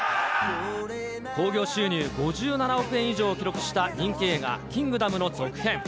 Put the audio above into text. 興行収入５７億円以上を記録した人気映画、キングダムの続編。